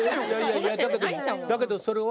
だけどそれは。